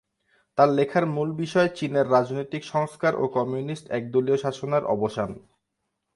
তার লেখার মূল বিষয় চীনের রাজনৈতিক সংস্কার ও কমিউনিস্ট একদলীয় শাসনের অবসান।